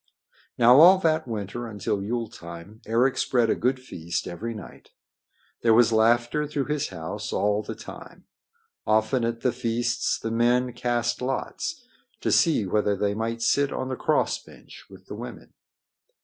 Now all that winter until Yule time Eric spread a good feast every night. There was laughter through his house all the time. Often at the feasts the men cast lots to see whether they might sit on the cross bench with the women.